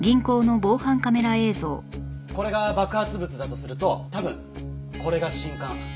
これが爆発物だとすると多分これが信管。